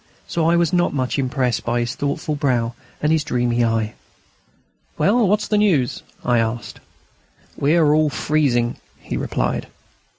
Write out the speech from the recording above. So I was not much impressed by his thoughtful brow and his dreamy eye. "Well, what's the news?" I asked. "We are all freezing," he replied.